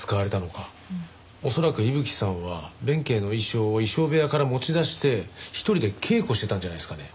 恐らく伊吹さんは弁慶の衣装を衣装部屋から持ち出して一人で稽古してたんじゃないですかね。